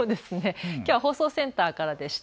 きょうは放送センターからでした。